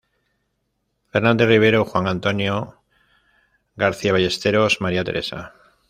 Fernández Rivero, Juan Antonio; García Ballesteros, María Teresa.